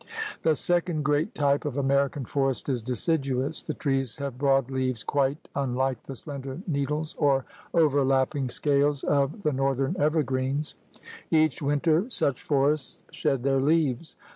The second great type of American forest is deciduous. The trees have broad leaves quite un like the slender needles or overlapping scales of THE GARMENT OF VEGETATION 97 the northern evergreens. Each winter such forests shed their leaves.